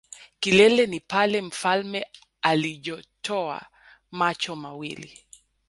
kilele ni pale mfalme alijotoa macho mawili.